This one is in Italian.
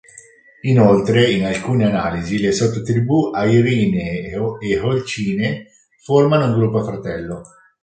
Inoltre in alcune analisi le sottotribù Airinae e Holcinae formano un "gruppo fratello".